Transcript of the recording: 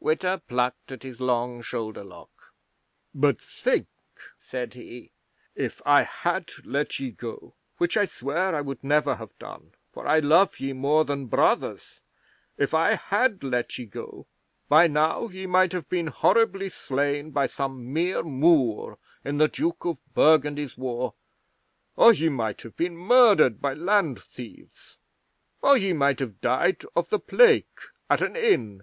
'Witta plucked at his long shoulder lock. "But think!" said he. "If I had let ye go which I swear I would never have done, for I love ye more than brothers if I had let ye go, by now ye might have been horribly slain by some mere Moor in the Duke of Burgundy's war, or ye might have been murdered by land thieves, or ye might have died of the plague at an inn.